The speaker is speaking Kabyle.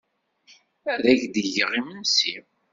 Ad ak-d-geɣ imensi.